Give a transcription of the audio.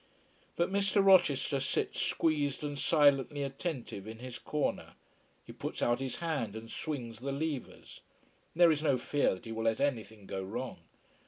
But Mr. Rochester sits squeezed and silently attentive in his corner. He puts out his hand and swings the levers. There is no fear that he will let anything go wrong.